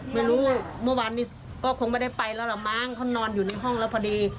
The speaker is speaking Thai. ไม่รู้เมื่อวานนี้ไม่ได้ไปแล้วหรอกมั้งนอนอยู่ในห้งแล้วพอดี